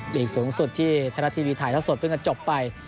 ลีกสูงสุดที่ไทยรัฐทีวีถ่ายเท่าสดเพิ่งจะจบไป